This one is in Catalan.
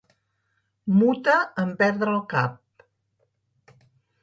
Muta en perdre el cap.